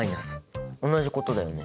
同じことだよね。